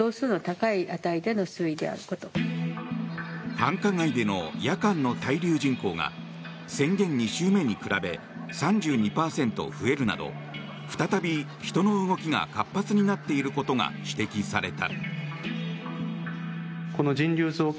繁華街での夜間の滞留人口が宣言２週目に比べ３２％増えるなど再び人の動きが活発になっていることが指摘された。